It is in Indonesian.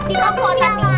di kota kota lain